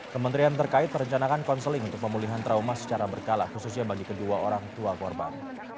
kementerian terkait merencanakan konseling untuk pemulihan trauma secara berkala khususnya bagi kedua orang tua korban